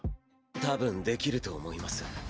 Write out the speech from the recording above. たぶんできると思います。